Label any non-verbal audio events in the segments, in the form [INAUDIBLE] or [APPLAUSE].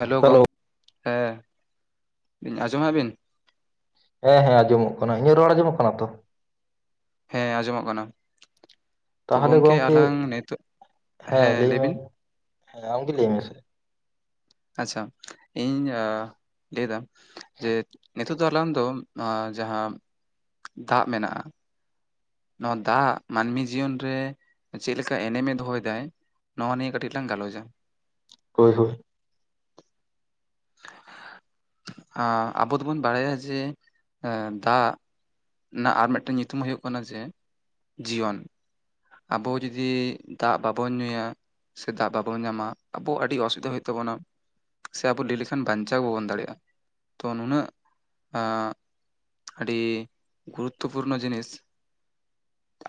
Hello ᱜᱚᱝᱠᱮ ᱦᱮᱸ ᱟᱸᱡᱚᱢᱮᱫᱟ ᱵᱤᱱ ᱦᱮᱸ ᱦᱮᱸᱚᱢᱚᱢᱚᱜ ᱠᱟᱱᱟ ᱤᱧᱟᱹᱜ ᱨᱚᱲ ᱟᱸᱡᱚᱢᱚᱜ ᱠᱟᱱᱟ ᱛᱚ ᱦᱮᱸ ᱟᱸᱡᱚᱢᱚᱜ ᱠᱟᱱᱟ ᱛᱚ ᱜᱚᱝᱠᱮ ᱟᱞᱟᱝ ᱱᱤᱛᱳ ᱦᱮᱸ ᱞᱟᱹᱭ ᱢᱮ ᱞᱟᱹᱭᱵᱤᱱ ᱦᱮᱸ ᱠ ᱞᱟᱹᱭ ᱢᱮᱥᱮ ᱟᱪᱪᱷᱟ ᱤᱧ ᱞᱟᱹᱭᱮᱫᱟ ᱡᱮ ᱱᱤᱛᱳ ᱫᱚ ᱮᱠᱞᱟᱱ ᱫᱚ ᱡᱟᱦᱟᱸ ᱫᱟᱜ ᱢᱮᱱᱟᱜᱼᱟ ᱱᱚᱣᱟ ᱫᱟᱜ ᱢᱟᱹᱱᱢᱤ ᱡᱤᱭᱚᱱ ᱨᱮ ᱪᱮᱫ ᱞᱮᱠᱟ ᱮᱱᱮᱢᱮ ᱫᱚᱦᱚᱭᱫᱟᱭ ᱱᱚᱣᱟ ᱱᱤᱭᱟᱹ ᱠᱟᱹᱴᱤᱡ ᱞᱟᱝ ᱜᱟᱞᱚᱪᱟ ᱦᱳᱭ ᱦᱳᱭ ᱟᱵᱚ ᱫᱚᱵᱚᱱ ᱵᱟᱲᱟᱭᱟ ᱡᱮ ᱫᱟᱜ ᱚᱱᱟ ᱟᱨ ᱢᱤᱫᱴᱮᱱ ᱧᱩᱛᱩᱢ ᱦᱩᱭᱩᱜ ᱠᱟᱱᱟ ᱡᱮ ᱡᱤᱭᱚᱱ ᱟᱵᱚ ᱡᱩᱫᱤ ᱫᱟᱜ ᱵᱟᱵᱚᱱ ᱧᱩᱭᱟ ᱥᱮ ᱫᱟᱜ ᱵᱟᱵᱚᱱ ᱧᱟᱢᱟ ᱟᱵᱚ ᱟᱹᱰᱤ ᱚᱥᱩᱵᱤᱫᱷᱟ ᱦᱩᱭᱩᱜ ᱛᱟᱵᱚᱱᱟ ᱥᱮ ᱟᱵᱚ ᱞᱟᱹᱭ ᱞᱮᱠᱷᱟᱱ ᱠᱷᱟᱱ ᱵᱟᱧᱪᱟᱣ ᱵᱟᱵᱚᱱ ᱫᱟᱲᱮᱭᱟᱜᱼᱟ ᱛᱚ ᱱᱩᱱᱟᱹᱜ ᱟᱹᱰᱤ ᱜᱩᱨᱩᱛᱛᱚᱯᱩᱨᱱᱚ ᱡᱤᱱᱤᱥ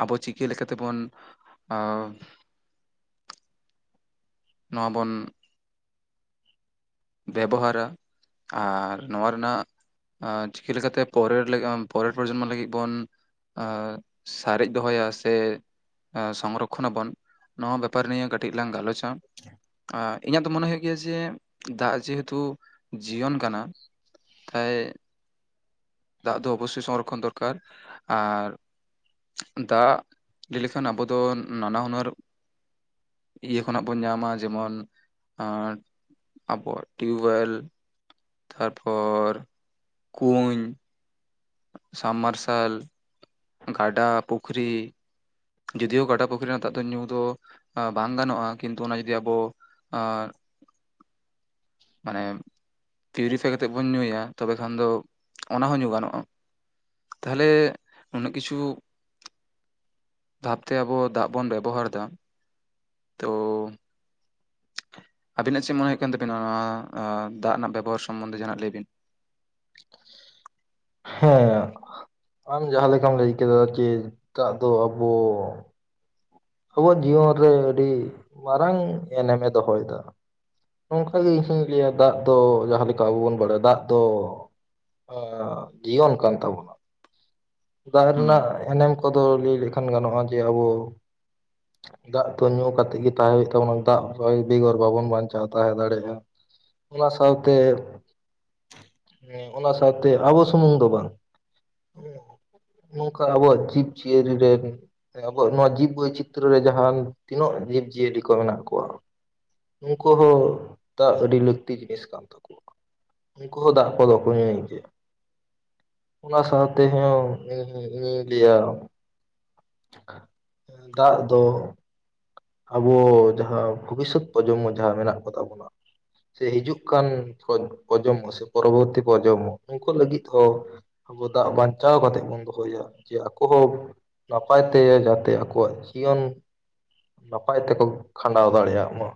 ᱟᱵᱚ ᱪᱤᱠᱟᱹ ᱞᱮᱠᱟᱛᱮᱵᱚᱱ ᱱᱚᱣᱟ ᱵᱚᱱ ᱵᱮᱵᱚᱦᱟᱨᱟ ᱟᱨ ᱱᱚᱣᱟ ᱨᱮᱱᱟᱜ ᱪᱤᱠᱟᱹ ᱞᱮᱠᱟᱛᱮ ᱯᱚᱨᱮᱨ ᱯᱚᱨᱮᱨ ᱯᱚᱨᱡᱚᱱᱢᱚ ᱞᱟᱹᱜᱤᱫ ᱵᱚᱱ ᱥᱟᱨᱮᱡ ᱫᱚᱦᱚᱭᱟ ᱥᱮ ᱥᱚᱢᱨᱚᱠᱷᱚᱱᱟᱵᱚᱱ ᱱᱚᱣᱟ ᱵᱮᱯᱟᱨ ᱱᱤᱭᱮ ᱠᱟᱹᱴᱤᱡ ᱞᱟᱝ ᱜᱟᱞᱚᱪᱟ [INAUDIBLE] ᱤᱧᱟᱹᱜ ᱫᱚ ᱢᱚᱱᱮ ᱦᱳᱭᱳᱜ ᱜᱮᱭᱟ ᱡᱮ ᱫᱟᱜ ᱡᱮᱦᱩᱛᱩ ᱡᱤᱭᱚᱱ ᱠᱟᱱᱟ ᱛᱟᱭ ᱫᱟᱜ ᱫᱚ ᱚᱵᱚᱥᱥᱳᱭ ᱥᱚᱝᱨᱚᱠᱷᱚᱱ ᱫᱚᱨᱠᱟᱨ ᱟᱨ ᱫᱟᱜ ᱞᱮ ᱞᱮᱠᱷᱟᱱ ᱟᱵᱚ ᱫᱚ ᱱᱟᱱᱟ ᱦᱩᱱᱟᱹᱨ ᱤᱭᱟᱹ ᱠᱷᱚᱱᱟᱜ ᱵᱚᱱ ᱧᱟᱢ ᱢᱟ ᱡᱮᱢᱚᱱ ᱟᱵᱚᱣᱟᱜ ᱴᱤᱭᱩᱵᱮᱞ ᱛᱟᱨᱯᱚᱨ ᱠᱩᱧ ᱥᱟᱢ ᱢᱟᱨᱥᱟᱞ ᱜᱟᱰᱟ ᱯᱩᱠᱷᱨᱤ ᱡᱳᱫᱤᱭᱳ ᱜᱟᱰᱟ ᱯᱩᱠᱷᱨᱤ ᱨᱮᱱᱟᱜ ᱱ ᱫᱟᱜ ᱫᱚ ᱧᱩ ᱫᱚ ᱵᱟᱝ ᱜᱟᱱᱚᱜᱼᱟ ᱠᱤᱱᱛᱩ ᱚᱱᱟ ᱡᱩᱫᱤ ᱟᱵᱚ ᱟᱨ ᱢᱟᱱᱮ ᱛᱤ ᱨᱤ ᱠᱟᱛᱮᱜ ᱵᱚᱱ ᱧᱩᱭᱟ ᱛᱚᱵᱮ ᱠᱷᱟᱱ ᱫᱚ ᱚᱱᱟ ᱦᱚᱸ ᱧᱩ ᱜᱟᱱᱚᱜᱼᱟ ᱛᱟᱦᱞᱮ ᱩᱱᱟᱹᱜ ᱠᱤᱪᱷᱩ ᱛᱟᱯᱚᱛᱮ ᱟᱵᱚ ᱫᱟᱜ ᱵᱚᱱ ᱵᱮᱵᱚᱦᱟᱨ ᱫᱟ ᱛᱚ ᱟᱹᱵᱤᱱᱟᱜ ᱪᱮᱫ ᱢᱚᱱᱮ ᱦᱩᱭᱩᱜ ᱠᱟᱱ ᱛᱟᱵᱤᱱᱟ ᱱᱚᱣᱟ ᱫᱟᱜ ᱨᱮᱱᱟᱜ ᱵᱮᱵᱚᱦᱟᱨ ᱥᱚᱢᱚᱱᱫᱷᱮ ᱡᱟᱦᱟᱱᱟᱜ ᱞᱮ ᱵᱤᱱ? [INAUDIBLE] ᱦᱮᱸ ᱟᱢ ᱡᱟᱦᱟᱸ ᱞᱮᱠᱟᱢ ᱞᱟᱹᱭ ᱠᱮᱫᱟ ᱡᱮ ᱫᱟᱜ ᱫᱚ ᱟᱵᱚ ᱟᱵᱚᱣᱟᱜ ᱡᱤᱭᱚᱱ ᱨᱮ ᱟᱹᱰᱤ ᱢᱟᱨᱟᱝ ᱮᱱᱮᱢᱮ ᱫᱚᱦᱚᱭᱫᱟ᱾ ᱱᱚᱝᱠᱟᱜᱮ ᱤᱧᱦᱩᱧ ᱞᱟᱹᱭᱟ ᱫᱟᱜ ᱫᱚ ᱡᱟᱦᱟᱸᱞᱮᱠᱟ ᱟᱵᱚ ᱵᱚᱱ ᱵᱟᱲᱟᱭᱟ ᱫᱟᱜ ᱫᱚ ᱟ ᱡᱤᱭᱚᱱ ᱠᱟᱱ ᱛᱟᱵᱚᱱᱟ᱾ ᱫᱟᱜ ᱨᱮᱱᱟᱜ ᱮᱱᱮᱢ ᱠᱚᱫᱚ ᱞᱟᱹᱭ ᱞᱮᱠᱷᱟᱱ ᱜᱟᱱᱚᱜᱼᱟ ᱡᱮ ᱟᱵᱚ ᱫᱟᱜ ᱫᱚ ᱧᱩ ᱠᱟᱛᱮᱜ ᱜᱮ ᱛᱟᱦᱮᱸ ᱦᱳᱭᱳᱜ ᱛᱟᱵᱚᱱᱟ ᱫᱟᱜ ᱵᱮᱜᱚᱨ ᱵᱟᱵᱚᱱ ᱵᱟᱧᱪᱟᱣ ᱛᱟᱦᱮᱸ ᱫᱟᱲᱮᱜᱼᱟ᱾ ᱚᱱᱟ ᱥᱟᱶᱛᱮ ᱦᱮ ᱚᱱᱟ ᱥᱟᱶᱛᱮ ᱟᱵᱚ ᱥᱩᱢᱩᱝ ᱫᱚ ᱵᱟᱝ ᱱᱚᱝᱠᱟ ᱟᱵᱚᱣᱟᱜ ᱡᱤᱵ ᱡᱤᱭᱟᱹᱞᱤ ᱨᱮᱱ ᱟᱵᱚᱣᱟᱜ ᱱᱚᱣᱟ ᱡᱤᱵ ᱵᱚᱭᱪ ᱪᱤᱛᱨᱚ ᱨᱮ ᱡᱟᱦᱟᱱ ᱛᱤᱱᱟᱹᱜ ᱡᱤᱵ ᱡᱤᱭᱟᱹᱞᱤ ᱠᱚ ᱢᱮᱱᱟᱜ ᱠᱚᱣᱟ᱾ ᱩᱱᱠᱩ ᱦᱚᱸ ᱫᱟᱜ ᱟᱹᱰᱤ ᱞᱟᱹᱠᱛᱤ ᱡᱤᱱᱤᱥ ᱠᱟᱱ ᱛᱟᱠᱚᱣᱟ᱾ ᱩᱱᱠᱩ ᱦᱚᱸ ᱫᱟᱜ ᱠᱚᱫᱚ ᱠᱚ ᱧᱩᱭ ᱜᱮᱭᱟ᱾ ᱚᱱᱟ ᱥᱟᱶᱛᱮ ᱦᱚ ᱤᱧ ᱤᱧᱤᱧ ᱞᱟᱹᱭᱟ ᱫᱟᱜ ᱫᱚ ᱟᱵᱚ ᱡᱟᱦᱟᱸ ᱵᱷᱚᱵᱤᱥᱚᱛ ᱯᱨᱚᱡᱚᱱᱢᱚ ᱡᱟᱦᱟᱸ ᱢᱮᱱᱟᱜ ᱠᱚ ᱛᱟᱵᱚᱱᱟ᱾ ᱥᱮ ᱦᱤᱡᱩᱜ ᱠᱟᱱ ᱯᱨᱚᱡᱚᱱᱢᱚ ᱥᱮ ᱯᱚᱨᱚᱵᱚᱨᱛᱤ ᱠᱚ ᱯᱨᱚᱡᱚᱱᱢᱚ ᱩᱱᱠᱩ ᱞᱟᱹᱜᱤᱫ ᱦᱚᱸ ᱟᱵᱚ ᱫᱟᱜ ᱵᱟᱧᱪᱟᱣ ᱠᱟᱛᱮᱜ ᱵᱚᱱ ᱫᱚᱦᱚᱭᱟ ᱡᱮ ᱟᱠᱚ ᱦᱚᱸ ᱱᱟᱯᱟᱭᱛᱮ ᱡᱟᱛᱮ ᱟᱠᱚᱣᱟᱜ ᱡᱤᱭᱚᱱ ᱱᱟᱯᱟᱭ ᱛᱮᱠᱚ ᱠᱷᱟᱸᱰᱟᱣ ᱫᱟᱲᱮᱭᱟᱜ ᱢᱟ᱾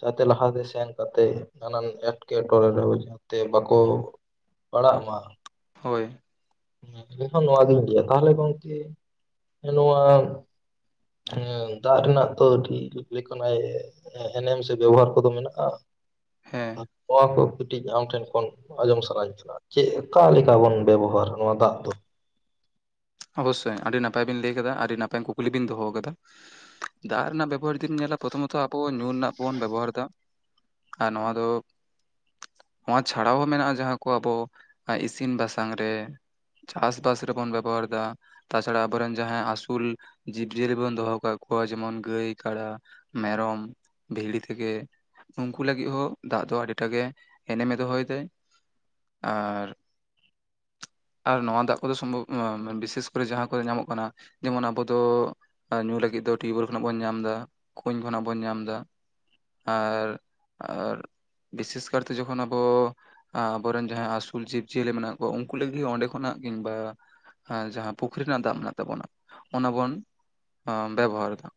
ᱡᱟᱛᱮ ᱞᱟᱦᱟᱛᱮ ᱥᱮᱱ ᱠᱟᱛᱮ ᱱᱟᱱᱟᱱ ᱮᱸᱴᱠᱮᱴᱚᱬᱮ ᱨᱮᱦᱚᱸ ᱡᱟᱛᱮ ᱵᱟᱠᱚ ᱯᱟᱲᱟᱜ ᱢᱟ᱾ ᱦᱳᱭ᱾ ᱤᱧ ᱦᱚᱸ ᱱᱚᱣᱟ ᱜᱤᱧ ᱩᱸᱭᱦᱟᱹᱨ ᱛᱟᱦᱞᱮ ᱜᱚᱝᱠᱮ ᱱᱚᱣᱟ ᱫᱟᱜ ᱨᱮᱱᱟᱜ ᱫᱚ ᱟᱹᱰᱤ [UNINTELLIGIBLE] ᱠᱟᱱᱟᱭ ᱮᱱᱮᱢ ᱥᱮ ᱵᱮᱵᱚᱦᱟᱨ ᱠᱚᱫᱚ ᱢᱮᱱᱟᱜᱼᱟ᱾ ᱦᱮᱸ ᱱᱚᱣᱟ ᱠᱚ ᱠᱟᱹᱴᱤᱡ ᱟᱢ ᱴᱷᱮᱱ ᱠᱷᱚᱱ ᱟᱸᱡᱚᱢ ᱥᱟᱱᱟᱧ ᱠᱟᱱᱟ᱾ ᱪᱮᱫ ᱚᱠᱟ ᱞᱮᱠᱟ ᱵᱚᱱ ᱵᱮᱵᱚᱦᱟᱨ ᱱᱚᱣᱟ ᱫᱟᱜ ᱫᱚ? ᱚᱵᱚᱥᱥᱳᱭ ᱟᱹᱰᱤ ᱱᱟᱯᱟᱭ ᱵᱤᱱ ᱞᱮ ᱠᱟᱫᱟ ᱟᱹᱰᱤ ᱱᱟᱯᱟᱭ ᱠᱩᱠᱞᱤ ᱵᱤᱱ ᱫᱚᱦᱚ ᱠᱟᱫᱟ᱾ ᱫᱟᱜ ᱨᱮᱱᱟᱜ ᱵᱮᱵᱚᱦᱟᱨ ᱡᱩᱫᱤᱢ ᱧᱮᱞᱟ ᱯᱨᱚᱛᱷᱚᱢᱚᱛᱚ ᱟᱵᱚ ᱧᱩ ᱨᱮᱱᱟᱜ ᱵᱚᱱ ᱵᱮᱵᱚᱦᱟᱨᱫᱟ᱾ ᱟᱨ ᱱᱚᱣᱟ ᱫᱚ ᱱᱚᱣᱟ ᱪᱷᱟᱲᱟ ᱦᱚᱸ ᱢᱮᱱᱟᱜᱼᱟ ᱡᱟᱦᱟᱸ ᱠᱚ ᱟᱵᱚ ᱤᱥᱤᱱ ᱵᱟᱥᱟᱝ ᱨᱮ ᱪᱟᱥᱵᱟᱥ ᱨᱮᱵᱚᱱ ᱵᱮᱵᱚᱦᱟᱨᱫᱟ ᱛᱟᱪᱷᱟᱲᱟ ᱟᱵᱚᱨᱮᱱ ᱡᱟᱦᱟᱸᱭ ᱟᱹᱥᱩᱞ ᱡᱤᱵᱽᱼᱡᱤᱭᱟᱹᱞᱤ ᱵᱚᱱ ᱫᱚᱦᱚ ᱠᱟᱜ ᱠᱚᱣᱟ ᱡᱮᱢᱚᱱ ᱜᱟᱹᱭ ᱠᱟᱰᱟ ᱢᱮᱨᱚᱢ ᱵᱷᱤᱲᱤ ᱛᱷᱮᱠᱮ ᱩᱱᱠᱩ ᱞᱟᱹᱜᱤᱫ ᱦᱚᱸ ᱫᱟᱜ ᱫᱚ ᱟᱹᱰᱤᱴᱟᱜ ᱜᱮ ᱮᱱᱮᱢᱼᱮ ᱫᱚᱦᱚᱭ ᱮᱫᱟᱭ᱾ ᱟᱨ ᱟᱨ ᱱᱚᱣᱟ ᱫᱟᱜ ᱠᱚᱫᱚ ᱥᱚᱢᱵᱷᱚᱵ ᱵᱤᱥᱮᱥ ᱠᱚᱨᱮ ᱡᱟᱦᱟᱸ ᱠᱚᱨᱮ ᱧᱟᱢᱚᱜ ᱠᱟᱱᱟ ᱡᱮᱢᱚᱱ ᱟᱵᱚ ᱫᱚ ᱟᱨ ᱧᱩ ᱞᱟᱹᱜᱤᱫ ᱫᱚ ᱴᱤᱭᱩᱠᱚᱞ ᱠᱷᱚᱱᱟᱜ ᱵᱚᱱ ᱧᱟᱢ ᱮᱫᱟ ᱠᱩᱧ ᱠᱷᱚᱱᱟᱜ ᱵᱚᱱ ᱧᱟᱢ ᱮᱫᱟ᱾ ᱟᱨ ᱟᱨ ᱵᱤᱥᱮᱥ ᱠᱟᱨᱛᱮ ᱡᱚᱠᱷᱚᱱ ᱟᱵᱚ ᱟᱵᱚᱨᱮᱱ ᱡᱟᱦᱟᱸᱭ ᱟᱹᱥᱩᱞ ᱡᱤᱵᱽ ᱡᱤᱭᱟᱹᱞᱤ ᱢᱮᱱᱟᱜ ᱠᱚᱣᱟ ᱩᱱᱠᱩ ᱞᱟᱹᱜᱤᱫ ᱚᱸᱰᱮ ᱠᱷᱚᱱᱟᱜ ᱠᱤᱝᱵᱟ ᱦᱟᱸ ᱡᱟᱦᱟᱸ ᱯᱩᱠᱷᱨᱤ ᱨᱮᱱᱟᱜ ᱫᱟᱜ ᱢᱮᱱᱟᱜ ᱛᱟᱵᱚᱱᱟ ᱚᱱᱟ ᱵᱚᱱ ᱵᱮᱵᱚᱦᱟᱨ ᱮᱫᱟ᱾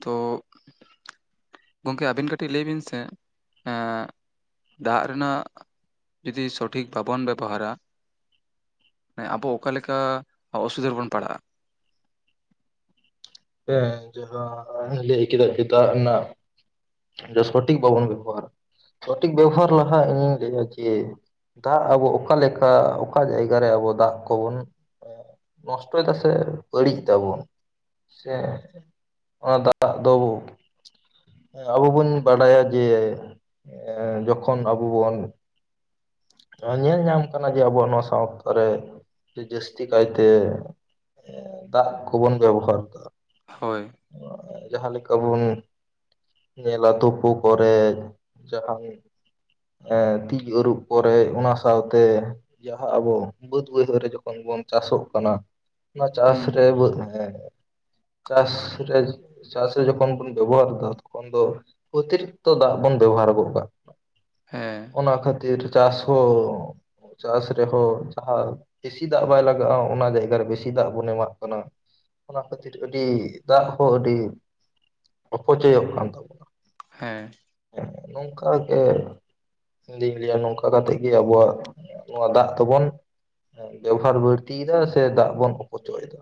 ᱛᱚ ᱜᱚᱢᱠᱮ ᱟᱹᱵᱤᱱ ᱠᱟᱹᱴᱤᱡ ᱞᱟᱹᱭ ᱵᱤᱱ ᱥᱮ ᱮᱸ ᱫᱟᱜ ᱨᱮᱱᱟᱜ ᱡᱩᱫᱤ ᱥᱚᱴᱷᱤᱠ ᱵᱟᱵᱚᱱ ᱵᱮᱵᱚᱦᱟᱨᱟ ᱢᱟᱱᱮ ᱟᱵᱚ ᱚᱠᱟᱞᱮᱠᱟ ᱚᱥᱩᱵᱤᱫᱷᱟ ᱨᱮᱵᱚᱱ ᱯᱟᱲᱟᱜᱼᱟ? ᱦᱮᱸ ᱡᱟᱦᱟᱸ ᱞᱟᱹᱭ ᱠᱮᱫᱮ ᱠᱤ ᱫᱟᱜ ᱨᱮᱱᱟᱜ ᱡᱮ ᱥᱚᱴᱷᱤᱠ ᱵᱟᱵᱚᱱ ᱵᱮᱵᱚᱦᱟᱨᱟ ᱥᱚᱴᱷᱤᱠ ᱵᱮᱵᱚᱦᱟᱨ ᱞᱟᱦᱟ ᱤᱧᱤᱧ ᱞᱟᱹᱭᱼᱟ ᱡᱮ ᱫᱟᱜ ᱟᱵᱚ ᱚᱠᱟᱞᱮᱠᱟ ᱚᱠᱟ ᱡᱟᱭᱜᱟ ᱨᱮ ᱟᱵᱚ ᱫᱟᱜ ᱠᱚᱵᱚᱱ ᱱᱚᱥᱴᱚᱭ ᱫᱟ ᱥᱮ ᱵᱟᱹᱲᱤᱡ ᱮᱫᱟ ᱵᱚᱱ ᱥᱮ ᱚᱱᱟ ᱫᱟᱜ ᱫᱚᱵᱩ ᱟᱵᱚ ᱵᱚᱱ ᱵᱟᱰᱟᱭᱟ ᱡᱮ ᱡᱚᱠᱷᱚᱱ ᱟᱵᱚ ᱵᱚᱱ ᱱᱚᱣᱟ ᱧᱮᱞ ᱧᱟᱢ ᱠᱟᱱᱟ ᱡᱮ ᱟᱵᱚᱣᱟᱜ ᱱᱚᱣᱟ ᱥᱟᱶᱛᱟ ᱨᱮ ᱡᱮ ᱡᱟᱹᱥᱛᱤ ᱠᱟᱭᱛᱮ ᱫᱟᱜ ᱠᱚᱵᱚᱱ ᱵᱮᱵᱚᱦᱟᱨ ᱮᱫᱟ ᱦᱳᱭ [UNINTELLIGIBLE] ᱡᱟᱦᱟᱸ ᱞᱮᱠᱟ ᱵᱚᱱ ᱧᱮᱞᱟ ᱛᱩᱯᱩ ᱠᱚᱨᱮ ᱡᱟᱦᱟᱱ ᱟ... ᱛᱤ ᱟᱹᱨᱩᱵ ᱠᱚᱨᱮ ᱚᱱᱟ ᱥᱟᱶᱛᱮ ᱡᱟᱦᱟᱸ ᱟᱵᱚ ᱵᱟᱹᱫᱽ ᱵᱟᱹᱭᱦᱟᱹᱲ ᱨᱮ ᱡᱚᱠᱷᱚᱱ ᱵᱚᱱ ᱪᱟᱥᱚᱜ ᱠᱟᱱᱟ ᱚᱱᱟ ᱪᱟᱥ ᱦᱩᱸ ᱨᱮ ᱵᱮ [UNINTELLIGIBLE] ᱪᱟᱥ ᱨᱮ ᱪᱟᱥ ᱨᱮ ᱡᱚᱠᱷᱚᱱ ᱵᱚᱱ ᱵᱮᱵᱚᱦᱟᱨ ᱮᱫᱟ ᱛᱚᱠᱷᱚᱱ ᱫᱚ ᱚᱛᱤᱨᱤᱠᱛᱚ ᱫᱟᱜ ᱵᱚᱱ ᱵᱮᱵᱚᱦᱟᱨ ᱜᱚᱫ ᱠᱟᱜ ᱦᱮᱸ ᱚᱱᱟ ᱠᱷᱟᱹᱛᱤᱨ ᱪᱟᱥ ᱦᱚᱸ ᱪᱟᱥ ᱨᱮᱦᱚᱸ ᱡᱟᱦᱟᱸ ᱵᱮᱥᱤ ᱫᱟᱜ ᱵᱟᱭ ᱞᱟᱜᱟᱜᱼᱟ ᱚᱱᱟ ᱡᱟᱭᱜᱟ ᱨᱮ ᱵᱮᱥᱤ ᱫᱟᱜ ᱵᱚᱱ ᱮᱢᱟᱜ ᱠᱟᱱᱟ ᱚᱱᱟ ᱠᱷᱟᱹᱛᱤᱨ ᱟᱹᱰᱤ ᱫᱟᱜ ᱦᱚᱸ ᱟᱹᱰᱤ ᱚᱯᱚᱪᱚᱭᱚᱜ ᱠᱟᱱ ᱛᱟᱵᱚᱱᱟ ᱦᱮᱸ ᱦᱮ ᱱᱚᱝᱠᱟ ᱜᱮ ᱤᱧ ᱫᱩᱧ ᱞᱟᱹᱭᱟ ᱱᱚᱝᱠᱟ ᱠᱟᱛᱮᱜ ᱜᱮ ᱟᱵᱚᱣᱟᱜ ᱱᱚᱣᱟ ᱫᱟᱜ ᱫᱚ ᱵᱚᱱ ᱵᱮᱵᱚᱦᱟᱨ ᱵᱟᱹᱲᱛᱤᱭᱮᱫᱟ ᱥᱮ ᱫᱟᱜ ᱵᱚᱱ ᱚᱯᱚᱪᱚᱭ ᱮᱫᱟ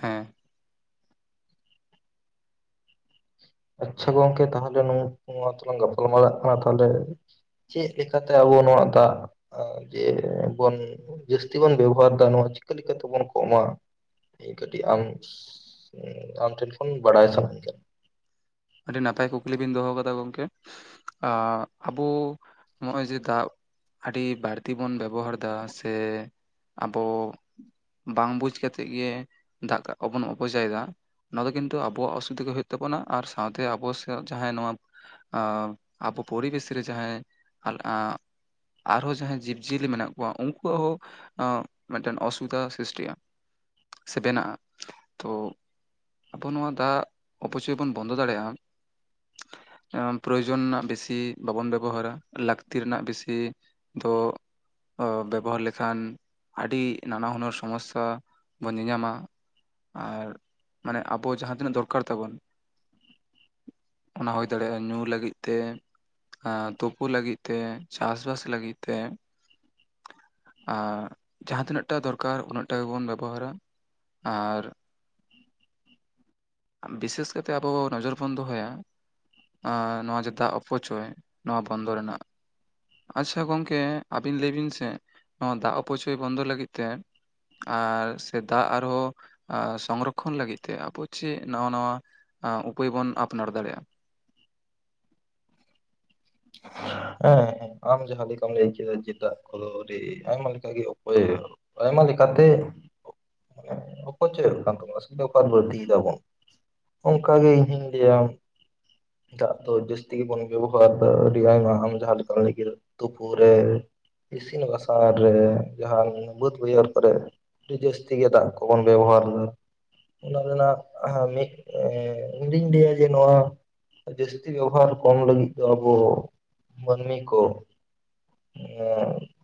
ᱦᱮᱸ ᱟᱪᱪᱷᱟ ᱜᱚᱝᱠᱮ ᱛᱟᱦᱚᱞᱮ ᱱᱚᱜ.... ᱱᱚᱣᱟ ᱫᱚ ᱞᱟᱝ ᱜᱟᱯᱟᱞᱢᱟᱨᱟᱜ ᱠᱟᱱᱟ ᱛᱟᱦᱚᱞᱮ ᱪᱮᱫ ᱞᱮᱠᱟᱛᱮ ᱟᱵᱚ ᱱᱚᱣᱟ ᱫᱟᱜ ᱡᱮ ᱵᱚᱱ ᱡᱟᱹᱥᱛᱤ ᱵᱚᱱ ᱵᱮᱵᱚᱦᱟᱨ ᱮᱫᱟ ᱱᱚᱶᱟ ᱪᱤᱠᱟᱹ ᱞᱮᱠᱟᱛᱮ ᱵᱚᱱ ᱠᱚᱢ-ᱟ ᱢᱤᱫ ᱠᱟᱹᱴᱤᱡ ᱟᱢ ᱟᱢ ᱴᱷᱮᱱ ᱠᱷᱚᱱ ᱵᱟᱲᱟᱭ ᱥᱟᱱᱟᱧ ᱠᱟᱱᱟ ᱟᱹᱰᱤ ᱱᱟᱯᱟᱭ ᱠᱩᱠᱞᱤ ᱵᱤᱱ ᱫᱚᱦᱚ ᱠᱟᱫᱟ ᱜᱚᱢᱠᱮ ᱟᱵᱚ ᱱᱚᱜᱼᱚᱭ ᱡᱮ ᱫᱟᱜ ᱟᱹᱰᱤ ᱵᱟᱹᱲᱛᱤ ᱵᱚᱱ ᱵᱮᱵᱚᱦᱟᱨᱫᱟ ᱥᱮ ᱟᱵᱚ ᱵᱟᱝ ᱵᱩᱡᱽ ᱠᱟᱛᱮᱫ ᱜᱮ ᱫᱟᱜ ᱠᱚ ᱵᱚᱱ ᱚᱯᱚᱡᱚᱭ ᱮᱫᱟ ᱱᱚᱣᱟ ᱫᱚ ᱠᱤᱱᱛᱩ ᱟᱵᱚᱣᱟᱜ ᱚᱥᱩᱵᱤᱫᱷᱟ ᱜᱮ ᱦᱩᱭᱩᱜ ᱛᱟᱵᱚᱱᱟ ᱟᱨ ᱥᱟᱶᱛᱮ ᱟᱵᱚᱥᱭᱟ ᱡᱟᱦᱟᱸᱭ ᱱᱚᱣᱟ ᱟᱵᱚ ᱯᱚᱨᱤᱵᱮᱥ ᱨᱮ ᱡᱟᱦᱟᱸᱭ [UNINTELLIGIBLE] ᱟᱨᱦᱚᱸ ᱡᱟᱦᱟᱸᱭ ᱡᱤᱵᱽᱡᱤᱭᱟᱹᱞᱤ ᱢᱮᱱᱟᱜ ᱠᱚᱣᱟ ᱩᱱᱠᱩᱣᱟᱜ ᱦᱚᱸ ᱢᱤᱫᱴᱮᱱ ᱚᱥᱩᱵᱤᱫᱷᱟ ᱥᱨᱤᱥᱴᱤᱭᱟ ᱥᱮ ᱵᱮᱱᱟᱜᱼᱟ ᱛᱚ ᱟᱵᱚ ᱱᱚᱣᱟ ᱫᱟᱜ ᱚᱯᱚᱪᱚᱭ ᱵᱚᱱ ᱵᱚᱱᱫᱚ ᱫᱟᱲᱮᱭᱟᱜ ᱟᱢ ᱯᱨᱚᱭᱡᱚᱱ ᱨᱮᱱᱟᱜ ᱵᱮᱥᱤ ᱵᱟᱵᱚᱱ ᱵᱮᱵᱚᱦᱟᱨ-ᱟ ᱞᱟᱹᱠᱛᱤ ᱨᱮᱱᱟᱜ ᱵᱮᱥᱤ ᱫᱚ ᱵᱚ ᱵᱮᱵᱚᱦᱟᱨ ᱞᱮᱠᱷᱟᱱ ᱟᱹᱰᱤ ᱱᱟᱱᱟ ᱦᱩᱱᱟᱹᱨ ᱥᱚᱢᱚᱥᱭᱟ ᱵᱚᱱ ᱧᱮᱞᱧᱟᱢᱟ ᱟᱨ ᱢᱟᱱᱮ ᱟᱵᱚ ᱡᱟᱦᱟᱸ ᱛᱤᱱᱟᱹᱜ ᱫᱚᱨᱠᱟᱨ ᱛᱟᱵᱚᱱ ᱚᱱᱟ ᱦᱩᱭ ᱫᱟᱲᱮᱭᱟᱜᱼᱟ ᱧᱩ ᱞᱟᱹᱜᱤᱫ ᱛᱮ ᱟᱸ ᱛᱩᱯᱩ ᱞᱟᱹᱜᱤᱫ ᱛᱮ ᱪᱟᱥᱵᱟᱥ ᱞᱟᱹᱜᱤᱫ ᱛᱮ ᱟᱨ ᱡᱟᱦᱟᱸ ᱛᱤᱱᱟᱹᱜ ᱴᱟᱜ ᱫᱚᱨᱠᱟᱨ ᱩᱱᱟᱹᱜ ᱴᱟᱜ ᱜᱮᱵᱚᱱ ᱵᱮᱵᱚᱦᱟᱨ-ᱟ ᱟᱨ ᱵᱤᱥᱮᱥ ᱠᱟᱛᱮ ᱟᱵᱚ ᱱᱚᱡᱚᱨ ᱵᱚᱱ ᱫᱚᱦᱚᱭᱟ ᱟᱸ... ᱱᱚᱶᱟ ᱡᱮ ᱫᱟᱜ ᱚᱯᱚᱪᱚᱭ ᱱᱚᱶᱟ ᱵᱚᱱᱫᱚ ᱨᱮᱱᱟᱜ ᱟᱪᱪᱷᱟ ᱜᱚᱢᱠᱮ ᱟᱹᱵᱤᱱ ᱞᱟᱹᱭ ᱵᱤᱱ ᱥᱮ ᱱᱚᱶᱟ ᱫᱟᱜ ᱚᱯᱚᱪᱚᱭ ᱵᱚᱱᱫᱚ ᱞᱟᱹᱜᱤᱫ ᱛᱮ ᱟᱨ ᱥᱮ ᱫᱟᱜ ᱟᱨᱦᱚᱸ ᱥᱚᱝᱨᱚᱠᱷᱚᱱ ᱞᱟᱹᱜᱤᱫ ᱛᱮ ᱟᱵᱚ ᱪᱮᱫ ᱱᱟᱣᱟ-ᱱᱟᱣᱟ ᱩᱯᱟᱹᱭ ᱵᱚᱱ ᱟᱯᱱᱟᱨ ᱫᱟᱲᱮᱭᱟᱜᱼᱟ? ᱦᱮᱸ ᱟᱢ ᱡᱟᱸᱦᱟ ᱞᱮᱠᱟᱢ ᱞᱟᱹᱭ ᱠᱮᱫᱟ ᱡᱮ ᱫᱟᱜ ᱠᱚᱫᱚ ᱟᱹᱰᱤ ᱟᱭᱢᱟ ᱞᱮᱠᱟ ᱜᱮ ᱩᱯᱟ. ᱭ ᱟᱭᱢᱟ ᱞᱮᱠᱟᱛᱮ ᱚᱯᱚᱪᱚᱭ ᱦᱩᱭᱩᱜ ᱠᱟᱱ ᱛᱟᱵᱚᱱᱟ ᱚᱥᱩᱵᱤᱫᱷᱟ ᱵᱟᱲᱛᱤ ᱮᱫᱟ ᱵᱚᱱ ᱚᱱᱠᱟ ᱜᱮ ᱤᱧᱦᱩᱧ ᱞᱟᱹᱭᱟ ᱫᱟᱜ ᱫᱚ ᱡᱟᱹᱥᱛᱤ ᱜᱮᱵᱚᱱ ᱵᱮᱵᱚᱦᱟᱨ ᱟ... ᱡᱟᱦᱟᱸ ᱞᱮᱠᱟᱢ ᱞᱟᱹᱭ ᱠᱮᱫᱟ ᱛᱩᱯᱩ ᱨᱮ ᱤᱥᱤᱱ ᱵᱟᱥᱟᱝ ᱨᱮ ᱡᱟᱸᱦᱟᱱ ᱵᱟᱹᱫᱽ ᱵᱟᱹᱭᱦᱟᱹᱲ ᱠᱚᱨᱮ ᱟᱹᱰᱤ ᱡᱟᱹᱥᱛᱤ ᱜᱮ ᱫᱟᱜ ᱠᱚᱵᱚᱱ ᱵᱮᱵᱚᱦᱟᱨ ᱢᱟ ᱚᱱᱮ ᱚᱱᱟ ᱨᱮᱱᱟᱜ ᱢᱤᱫ ᱤᱧᱫᱩᱧ ᱞᱟᱹᱭᱟ ᱡᱮ ᱱᱚᱣᱟ ᱡᱟᱹᱥᱛᱤ ᱵᱮᱵᱚᱦᱟᱨ ᱠᱚᱢ ᱞᱟᱹᱜᱤᱫ ᱫᱚ ᱟᱵᱚ ᱢᱟᱹᱱᱢᱤ ᱠᱚ ᱦᱮᱸ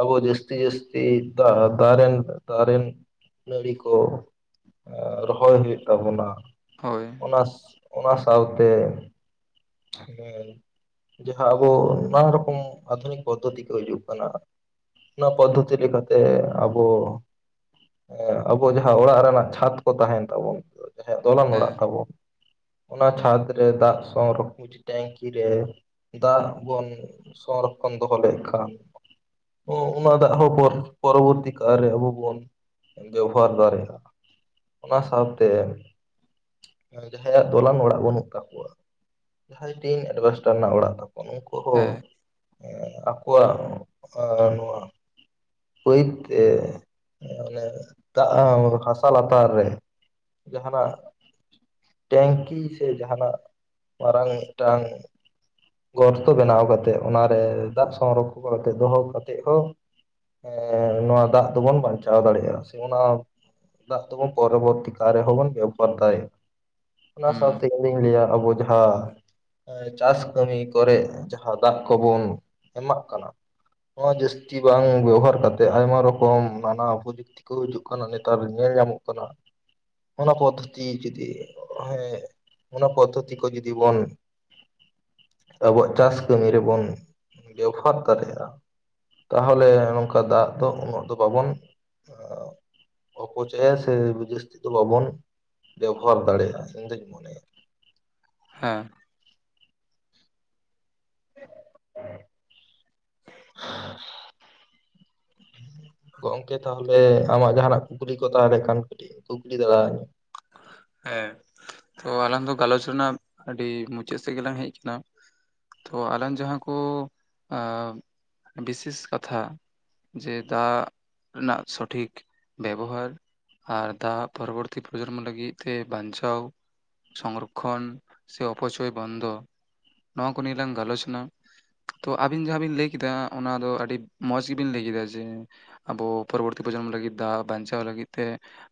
ᱟᱵᱚ ᱡᱟᱹᱥᱛᱤ ᱡᱟᱹᱥᱛᱤ ᱫᱟᱨᱮ ᱫᱟᱨᱮ ᱱᱟᱹᱲᱤ ᱠᱚ ᱨᱚᱦᱚᱭ ᱦᱩᱭᱩᱜ ᱛᱟᱵᱚᱱᱟ᱾ ᱦᱳᱭ ᱚᱱᱟ ᱚᱱᱟ ᱥᱟᱶᱛᱮ ᱦᱮᱸ ᱡᱟᱦᱟᱸ ᱟᱵᱚ ᱱᱟᱱᱟ ᱨᱚᱠᱚᱢ ᱟᱫᱷᱩᱱᱤᱠ ᱯᱚᱫᱽᱫᱷᱚᱛᱤ ᱠᱚ ᱦᱤᱡᱩᱜ ᱠᱟᱱᱟ ᱚᱱᱟ ᱯᱚᱫᱽᱫᱷᱚᱛᱤ ᱞᱮᱠᱟᱛᱮ ᱟᱵᱚ ᱦᱮᱸ ᱟᱵᱚ ᱡᱟᱦᱟᱸ ᱚᱲᱟᱜ ᱨᱮᱱᱟᱜ ᱪᱷᱟᱫ ᱠᱚ ᱛᱟᱸᱦᱮᱱ ᱛᱟᱵᱚᱱ ᱡᱟᱦᱟᱸᱭᱼᱟᱜ ᱫᱚᱞᱟᱱ ᱚᱲᱟᱜ ᱦᱮᱸ ᱛᱟᱵᱚ ᱚᱱᱟ ᱪᱷᱟᱫᱽ ᱨᱮ ᱫᱟᱜ ᱥᱚᱝᱨᱚᱠᱷᱚᱱ ᱢᱤᱫᱴᱮᱱ ᱴᱮᱝᱠᱤ ᱨᱮ ᱫᱟᱜ ᱵᱚᱱ ᱥᱚᱝᱨᱚᱠᱷᱚᱱ ᱫᱚᱦᱚ ᱞᱮᱠᱷᱟᱱ ᱚᱱᱟ ᱫᱟᱜ ᱦᱚᱸ ᱯᱚᱨᱚᱵᱚᱨᱛᱤ ᱠᱟᱞ ᱨᱮ ᱟᱵᱚ ᱵᱚᱱ ᱵᱮᱵᱚᱦᱟᱨ ᱫᱟᱲᱮᱭᱟᱜᱼᱟ ᱚᱱᱟ ᱥᱟᱶᱛᱮ ᱡᱟᱦᱟᱸᱭᱼᱟᱜ ᱫᱚᱞᱟᱱ ᱚᱲᱟᱜ ᱵᱟᱹᱱᱩᱜ ᱛᱟᱠᱚᱣᱟ᱾ ᱡᱟᱦᱟᱸᱭ ᱴᱤᱱ ᱮᱰᱵᱮᱥᱴᱟᱨ ᱨᱮᱱᱟᱜ ᱚᱲᱟᱜ ᱛᱟᱠᱚ ᱩᱱᱠᱩ ᱦᱚᱸ ᱦᱮᱸ ᱟᱠᱚᱣᱟᱜ ᱱᱚᱣᱟ ᱵᱟᱹᱭ ᱛᱮ ᱚᱱᱮ ᱫᱟᱜ ᱦᱟᱥᱟ ᱞᱟᱛᱟᱨ ᱨᱮ ᱡᱟᱦᱟᱸᱱᱼᱟᱜ ᱴᱮᱝᱠᱤ ᱥᱮ ᱡᱟᱦᱟᱸᱱᱼᱟᱜ ᱢᱟᱨᱟᱝ ᱢᱤᱫᱴᱟᱝ ᱜᱚᱨᱛᱚ ᱵᱮᱱᱟᱣ ᱠᱟᱛᱮᱫ ᱚᱱᱟ ᱨᱮ ᱫᱟᱜ ᱥᱚᱝᱨᱚᱠᱷᱚ ᱠᱟᱛᱮ ᱫᱚᱦᱚ ᱠᱟᱛᱮᱫ ᱠᱚ ᱚᱱᱟ ᱫᱟᱜ ᱫᱚᱵᱚᱱ ᱵᱟᱧᱪᱟᱣ ᱫᱟᱲᱮᱭᱟᱜᱼᱟ ᱥᱮ ᱚᱱᱟ ᱫᱟᱜ ᱫᱚᱵᱚᱱ ᱯᱚᱨᱚᱵᱚᱨᱛᱤ ᱠᱟᱞ ᱨᱮᱦᱚᱸᱵᱚᱱ ᱵᱮᱵᱚᱦᱟᱨ ᱫᱟᱲᱭᱟᱜ ᱚᱱᱟ ᱦᱩᱸ ᱥᱟᱶᱛᱮ ᱤᱧᱫᱩᱧ ᱞᱟᱹᱭ ᱟ ᱟᱵᱚ ᱡᱟᱦᱟᱸ ᱪᱟᱥ ᱠᱟᱹᱢᱤ ᱠᱚᱨᱮᱜ ᱡᱟᱦᱟᱸ ᱫᱟᱜ ᱠᱚᱵᱚᱱ ᱮᱢᱟᱜ ᱠᱟᱱᱟ ᱾ ᱱᱚᱣᱟ ᱡᱟᱹᱥᱛᱤ ᱵᱟᱝ ᱵᱮᱵᱚᱦᱟᱨ ᱠᱟᱛᱮᱜ ᱟᱭᱢᱟ ᱨᱚᱠᱚᱢ ᱱᱟᱱᱟ ᱯᱚᱫᱷᱚᱛᱤ ᱠᱚ ᱦᱤᱡᱩᱜ ᱠᱟᱱᱟ ᱱᱮᱛᱟᱨ ᱧᱮᱞ ᱧᱟᱢᱚᱜ ᱠᱟᱱᱟ ᱾ ᱚᱱᱟ ᱯᱚᱫᱽᱫᱷᱚᱛᱤ ᱡᱩᱫᱤ ᱦᱮᱸ ᱚᱱᱟ ᱯᱚᱫᱽᱫᱚᱛᱤ ᱡᱩᱫᱤ ᱵᱚᱱ ᱟᱵᱚᱣᱟᱜ ᱪᱟᱥ ᱠᱟᱹᱢᱤ ᱨᱮ ᱵᱚᱱ ᱵᱮᱵᱚᱦᱟᱨ ᱫᱟᱲᱮᱭᱟᱜᱼᱟ ᱛᱟᱦᱚᱞᱮ ᱱᱚᱝᱠᱟ ᱫᱟᱜ ᱫᱚ ᱩᱱᱟᱹᱜ ᱫᱚ ᱵᱟᱵᱚᱱ ᱚᱯᱪᱚᱭ ᱥᱮ ᱵᱮᱡᱤᱥᱛᱤᱛᱚ ᱞᱚᱵᱚᱱ ᱵᱮᱵᱚᱦᱟᱨ ᱫᱟᱲᱮᱭᱟᱜᱼᱟ ᱤᱧᱫᱩᱧ ᱢᱚᱱᱮᱭᱟ ᱦᱮᱸ ᱦᱮᱭ [INAUDIBLE] ᱜᱚᱝᱠᱮ ᱛᱟᱦᱚᱞᱮ ᱟᱢᱟᱜ ᱡᱟᱦᱟᱱᱟᱜ ᱠᱩᱠᱞᱤ ᱠᱚ ᱛᱟᱦᱮᱸ ᱞᱮᱱ ᱠᱷᱟᱱ ᱠᱟᱹᱴᱤᱡ ᱠᱩᱠᱞᱤ ᱫᱟᱲᱮ ᱟᱹᱧᱟᱹ ᱦᱮᱸ ᱛᱚ ᱟᱞᱟᱝ ᱫᱚ ᱜᱟᱞᱚᱪ ᱨᱮᱱᱟᱜ ᱟᱹᱰᱤ ᱢᱩᱪᱟᱹᱫ ᱥᱮᱫ ᱜᱮᱞᱟᱝ ᱦᱮᱡ ᱠᱟᱱᱟ᱾ ᱛᱚ ᱟᱞᱟᱝ ᱡᱟᱦᱟᱸ ᱠᱚ ᱟᱸᱸᱸ ᱵᱤᱥᱮᱥ ᱠᱟᱛᱷᱟ ᱡᱮ ᱫᱟᱜ ᱨᱮᱱᱟᱜ ᱥᱚᱴᱷᱤᱠ ᱵᱮᱵᱚᱦᱟᱨ ᱟᱨ ᱫᱟᱜ ᱯᱚᱨᱚᱵᱚᱨᱛᱤ ᱯᱨᱚᱡᱚᱱᱢᱚ ᱞᱟᱹᱜᱤᱫ ᱛᱮ ᱵᱟᱸᱧᱪᱟᱣ ᱥᱚᱝᱨᱚᱠᱠᱷᱚᱱ ᱥᱮ ᱚᱯᱚᱪᱚᱭ ᱵᱚᱱᱫᱚ ᱱᱚᱣᱟ ᱠᱚ ᱱᱤᱭᱮ ᱞᱟᱝ ᱜᱟᱞᱳᱪ ᱱᱟ ᱛᱚ ᱟᱵᱤᱱ ᱡᱟᱦᱟᱸ ᱵᱤᱱ ᱞᱟᱹᱭ ᱠᱮᱫᱟ ᱚᱱᱟ ᱫᱚ ᱟᱹᱰᱤ ᱢᱚᱸᱡᱽ ᱜᱮᱵᱤᱱ ᱞᱟᱹᱭ ᱠᱮᱫᱟ ᱡᱮ ᱟᱵᱚ ᱯᱚᱨᱚᱵᱚᱨᱛᱤ ᱯᱨᱚᱡᱚᱱᱢᱚ ᱞᱟᱹᱜᱤᱫ ᱫᱟᱜ ᱵᱟᱧᱪᱟᱣ ᱞᱟᱹᱜᱤᱫ ᱛᱮ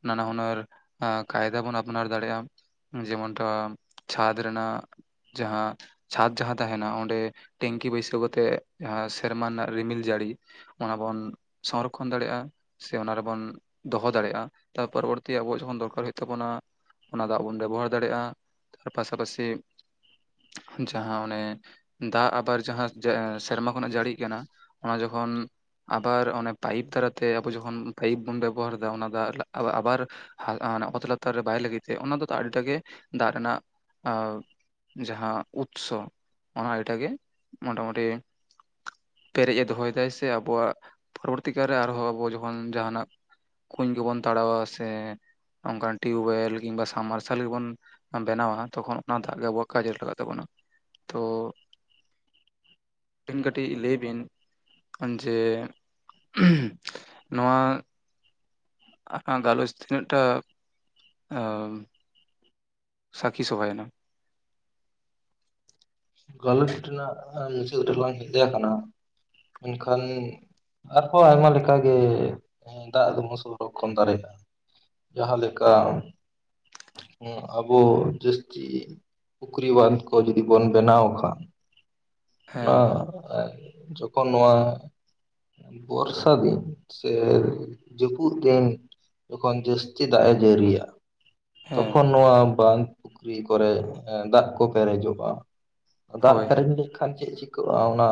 ᱱᱟᱱᱟᱦᱩᱱᱟᱹᱨ ᱠᱟᱭᱫᱟ ᱵᱚᱱ ᱟᱯᱱᱟᱨ ᱫᱟᱲᱮᱭᱟᱜᱼᱟ ᱡᱮᱢᱚᱱᱴᱟ ᱪᱷᱟᱫᱽ ᱨᱮᱱᱟᱜ ᱡᱟᱦᱟᱸ ᱪᱷᱟᱸᱫᱽ ᱡᱟᱦᱟᱸ ᱛᱟᱦᱮᱱᱟ ᱚᱸᱰᱮ ᱴᱮᱝᱠᱤ ᱵᱟᱹᱭᱥᱟᱹᱣ ᱠᱟᱛᱮᱜ ᱥᱮᱨᱢᱟ ᱨᱮᱱᱟᱜ ᱨᱤᱢᱤᱞ ᱡᱟᱹᱲᱤ ᱚᱱᱟᱵᱚᱱ ᱥᱚᱝᱨᱚᱠᱠᱷᱚᱱ ᱫᱟᱲᱮᱭᱟᱜᱼᱟ ᱾ ᱥᱮ ᱚᱱᱟ ᱨᱮᱵᱚᱱ ᱫᱚᱦᱚ ᱫᱟᱲᱮᱭᱟᱜᱼᱟ ᱛᱟ ᱯᱚᱨᱚᱵᱚᱨᱛᱤ ᱟᱵᱚᱣᱟᱜ ᱡᱚᱠᱷᱚᱱ ᱫᱚᱨᱠᱟᱨ [UNINTELLIGIBLE] ᱦᱩᱭᱩᱜ ᱛᱟᱵᱚᱱᱟ ᱚᱱᱟ ᱫᱟᱜ ᱵᱚᱱ ᱵᱮᱵᱚᱦᱟᱨ ᱫᱟᱲᱮᱭᱟᱜᱼᱟ ᱛᱟᱨ ᱯᱟᱥᱟᱯᱟᱥᱤ ᱡᱟᱦᱟᱸ ᱚᱸᱱᱮ ᱫᱟᱜ ᱟᱵᱟᱨ ᱡᱟᱦᱟᱸ ᱥᱮᱨᱢᱟ ᱠᱷᱚᱱᱟᱜ ᱡᱟᱹᱲᱤᱜ ᱠᱟᱱᱟ ᱚᱱᱟ ᱡᱚᱠᱷᱚᱱ ᱟᱵᱟᱨ ᱚᱱᱮ ᱯᱟᱭᱤᱯ ᱫᱟᱨᱟᱭᱛᱮ ᱟᱵᱚ ᱡᱚᱠᱷᱚᱱ ᱯᱟᱭᱤᱯ ᱵᱚᱱ ᱵᱮᱵᱚᱦᱟᱨ ᱫᱟ ᱚᱱᱟ ᱫᱟᱜ ᱟᱵᱟᱨ ᱟᱸᱻ ᱚᱱᱟ ᱚᱛ ᱞᱟᱛᱟᱨ ᱨᱮ ᱵᱟᱭ ᱞᱟᱹᱜᱤᱫ ᱛᱮ ᱚᱱᱟ ᱫᱚ ᱟᱹᱰᱤᱴᱟᱜ ᱜᱮ ᱫᱟᱜ ᱨᱮᱱᱟᱜ ᱟᱸᱻ ᱡᱟᱦᱟᱸ ᱩᱛᱥᱚ ᱚᱱᱟ ᱮᱴᱟᱜᱮ ᱢᱚᱴᱟᱢᱩᱴᱤ ᱯᱮᱨᱮᱡ ᱮ ᱫᱚᱦᱚᱭ ᱫᱟᱭ ᱥᱮ ᱟᱵᱚᱣᱟᱜ ᱯᱚᱨᱚᱵᱚᱨᱛᱤ ᱠᱟᱞ ᱨᱮ ᱟᱨᱦᱚᱸ ᱟᱵᱚ ᱡᱚᱠᱷᱚᱱ ᱡᱟᱦᱟᱱᱟᱜ ᱠᱩᱸᱧ ᱠᱚᱵᱚᱱ ᱛᱟᱲᱟᱣᱟ ᱥᱮᱻ ᱚᱝᱠᱟᱱ ᱴᱤᱭᱩᱵᱚᱭᱮᱞ ᱠᱤᱝᱵᱟ ᱥᱟᱵᱼᱢᱟᱨᱥᱟᱞ ᱜᱮᱵᱚᱱ ᱵᱮᱱᱟᱣᱟ ᱛᱚᱠᱷᱚᱱ ᱚᱱᱟ ᱫᱟᱜ ᱜᱮ ᱟᱵᱚᱣᱟᱜ ᱠᱟᱡᱮ ᱨᱮ ᱞᱟᱜᱟᱜ ᱛᱟᱵᱚᱱᱟ ᱛᱚᱻᱻ ᱟᱹᱵᱤᱱ ᱠᱟᱹᱴᱤᱡ ᱞᱟᱹᱭ ᱵᱤᱱ ᱡᱮ ᱱᱚᱣᱟ [UNINTELLIGIBLE] ᱜᱟᱞᱚᱪ ᱛᱤᱱᱟᱹᱜ ᱴᱟ ᱟᱻ ᱥᱟᱹᱠᱷᱤ ᱥᱚᱵᱷᱟᱭᱮᱱᱟ? ᱜᱟᱞᱚᱪ ᱨᱮᱱᱟᱜ ᱢᱩᱪᱟᱹᱫ ᱨᱮ ᱞᱟᱝ ᱦᱮᱡ ᱟᱠᱟᱱᱟ ᱢᱮᱱᱠᱷᱟᱱ ᱟᱨᱦᱚᱸ ᱟᱭᱢᱟ ᱞᱮᱠᱟ ᱜᱮ ᱫᱟᱜ ᱫᱚᱵᱚᱱ ᱥᱚᱝᱨᱚᱠᱷᱚᱱ ᱫᱟᱲᱮᱭᱟᱜᱼᱟ ᱡᱟᱦᱟᱸ ᱞᱮᱠᱟ ᱦᱩᱸ ᱟᱵᱚ ᱡᱟᱹᱥᱛᱤ ᱯᱩᱠᱷᱨᱤ ᱵᱟᱸᱫᱷ ᱠᱚ ᱡᱩᱫᱤ ᱵᱚᱱ ᱵᱮᱱᱟᱣ [UNINTELLIGIBLE] ᱚᱱᱟ ᱦᱮᱸ ᱡᱚᱠᱷᱚᱱ ᱱᱚᱣᱟ ᱵᱚᱨᱥᱟ ᱫᱤᱱ ᱥᱮ ᱡᱟᱹᱯᱩᱫ ᱫᱤᱱ ᱡᱚᱠᱷᱚᱱ ᱡᱟᱹᱥᱛᱤ ᱫᱟᱜ ᱮ ᱡᱟᱹᱨᱤᱭᱟ ᱦᱮᱸ ᱛᱚᱠᱷᱚᱱ ᱱᱚᱣᱟ ᱵᱟᱸᱫᱷ ᱯᱩᱠᱷᱨᱤ ᱠᱚᱨᱮ ᱫᱟᱜ ᱠᱚ ᱯᱮᱨᱮᱡᱚᱜᱼᱟ ᱫᱟᱜ ᱦᱳᱭ ᱯᱮᱨᱮᱡ ᱞᱮᱠᱷᱟᱱ ᱪᱮᱫ ᱪᱤᱠᱟᱹᱜᱼᱟ ᱚᱱᱟ